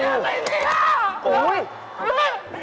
อะไรเป็นเนี่ย